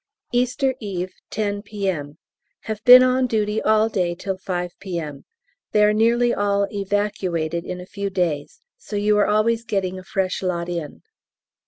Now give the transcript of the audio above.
Easter Eve, 10 P.M. Have been on duty all day till 5 P.M. They are nearly all "evacuated" in a few days, so you are always getting a fresh lot in.